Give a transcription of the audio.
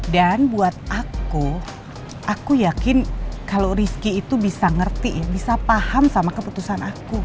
dan buat aku aku yakin kalau rizky itu bisa ngerti bisa paham sama keputusan aku